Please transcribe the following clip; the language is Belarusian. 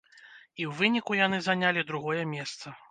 І ў выніку яны занялі другое месца.